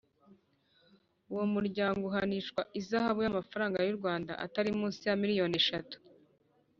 uwo muryango uhanishwa ihazabu y’amafaranga y’u rwanda atari munsi ya miliyoni eshatu